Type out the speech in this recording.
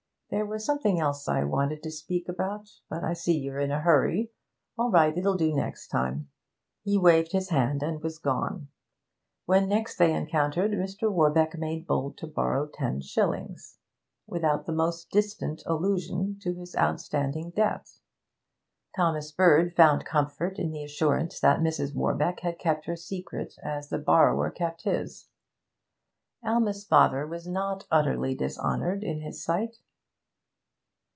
There was something else I wanted to speak about, but I see you're in a hurry. All right, it'll do next time.' He waved his hand and was gone. When next they encountered Mr. Warbeck made bold to borrow ten shillings, without the most distant allusion to his outstanding debt. Thomas Bird found comfort in the assurance that Mrs. Warbeck had kept her secret as the borrower kept his. Alma's father was not utterly dishonoured in his sight.